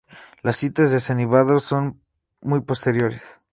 Las citas de San Hilario son muy posteriores.